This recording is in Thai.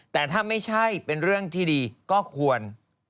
แต่ถ้าไม่ใช่เป็นเรื่องที่ดีก็ควร